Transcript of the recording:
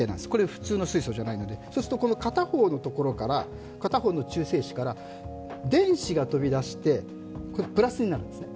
普通の水素じゃないので、そうすると、片方の中性子から電子が飛び出してプラスになるんですね。